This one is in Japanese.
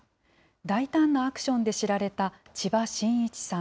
大胆なアクションで知られた千葉真一さん。